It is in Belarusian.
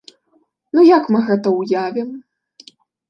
Ну як мы гэта ўявім?